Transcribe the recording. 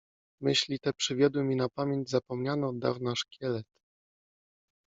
Myśli te przywiodły mi na pamięć zapomniany od dawna szkielet.